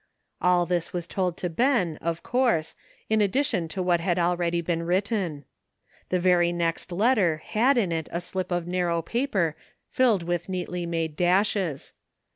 All this was told to Ben, of course, in addition to what had already been written. The very next letter had in it a slip of narrow poper filled with LEARNING. 253 neatly made dashes.